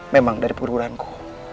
memang dari perguruan ku